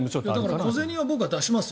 小銭は僕は出しますよ。